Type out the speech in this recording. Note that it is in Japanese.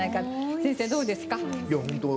先生、どうですか？